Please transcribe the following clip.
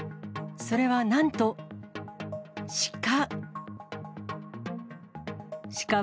それはなんと、シカ。